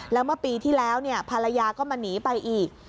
แล้วเมื่อปีที่แล้วภรรยาก็มาหนีไปอีก